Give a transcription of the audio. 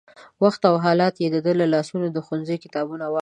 وخت او حالاتو يې د ده له لاسونو د ښوونځي کتابونه واخيستل.